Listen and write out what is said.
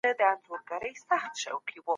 اګوستين د ازادۍ بحث کوي.